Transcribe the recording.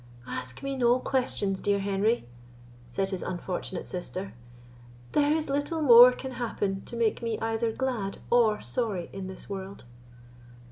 "Ask me no questions, dear Henry," said his unfortunate sister; "there is little more can happen to make me either glad or sorry in this world."